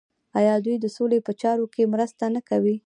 آیا دوی د سولې په چارو کې مرسته نه کوي؟